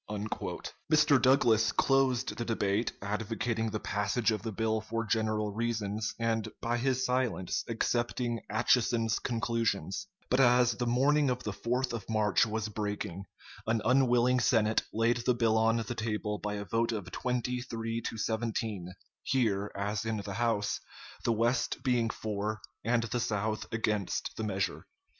[Sidenote: "Globe," March 3, 1853, p. 1117.] Mr. Douglas closed the debate, advocating the passage of the bill for general reasons, and by his silence accepting Atchison's conclusions; but as the morning of the 4th of March was breaking, an unwilling Senate laid the bill on the table by a vote of twenty three to seventeen, here, as in the House, the West being for and the South against the measure.